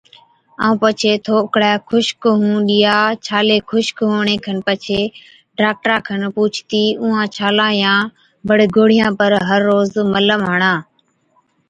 ائُون پڇي ٿوڪڙَي خُشڪ هُئُون ڏِيا ڇالي خُشڪ هُوَڻي کن پڇي ڊاڪٽرا کن پُوڇتِي اُونهان ڇالان يان بڙي گوڙهِيان پر هر روز ملم هڻا۔